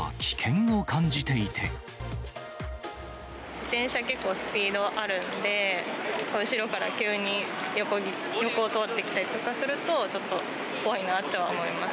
自転車、結構スピードあるんで、後ろから急に横を通ってきたりとかすると、ちょっと怖いなとは思います。